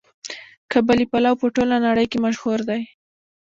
قابلي پلو په ټوله نړۍ کې مشهور دی.